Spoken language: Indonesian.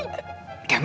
tadi tadi udah bingung